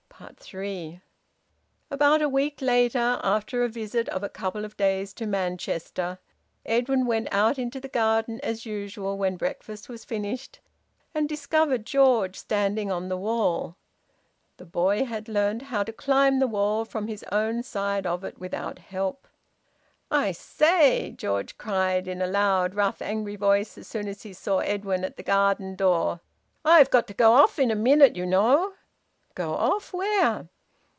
THREE. About a week later, after a visit of a couple of days to Manchester, Edwin went out into the garden as usual when breakfast was finished, and discovered George standing on the wall. The boy had learned how to climb the wall from his own side of it without help. "I say!" George cried, in a loud, rough, angry voice, as soon as he saw Edwin at the garden door. "I've got to go off in a minute, you know." "Go off? Where?"